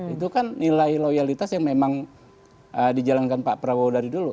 itu kan nilai loyalitas yang memang dijalankan pak prabowo dari dulu